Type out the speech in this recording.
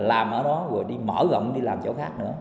làm ở đó rồi đi mở rộng đi làm chỗ khác nữa